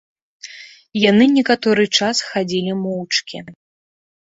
Яны некаторы час хадзілі моўчкі.